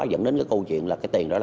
dẫn đến cái câu chuyện là cái tiền đó